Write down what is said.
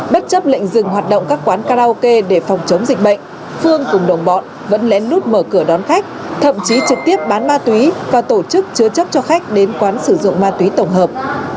bất chấp lệnh dừng hoạt động các quán karaoke để phòng chống dịch bệnh phương cùng đồng bọn vẫn lén lút mở cửa đón khách thậm chí trực tiếp bán ma túy và tổ chức chứa chấp cho khách đến quán sử dụng ma túy tổng hợp